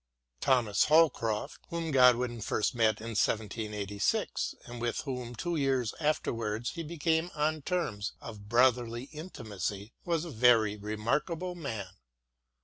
Thomas Holcroft, whom Godwin first met in 1786, and with whom two years afterwards he became on terms of brotherly intimacy, was a very remarkable man.